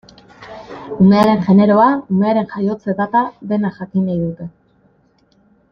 Umearen generoa, umearen jaiotze data, dena jakin nahi dute.